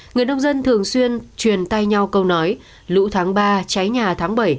người nông dân thường xuyên truyền tay nhau câu nói lũ tháng ba cháy nhà tháng bảy